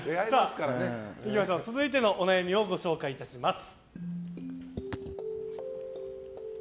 続いてのお悩みをご紹介します。